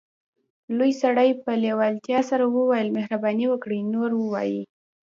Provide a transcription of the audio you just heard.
لوی سړي په لیوالتیا سره وویل مهرباني وکړئ نور ووایئ